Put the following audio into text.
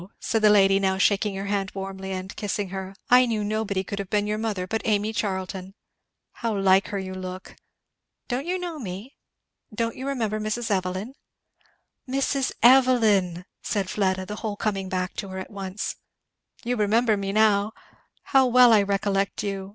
said the lady, now shaking her hand warmly and kissing her, "I knew nobody could have been your mother but Amy Charlton! How like her you look! Don't you know me? don't you remember Mrs. Evelyn?" "Mrs. Evelyn!" said Fleda, the whole coming back to her at once. "You remember me now? How well I recollect you!